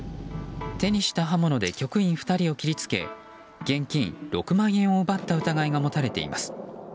手にした刃物で局員２人を切り付け現金６万円を奪った疑いが持たれています。